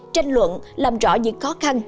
tranh luận làm rõ những khó khăn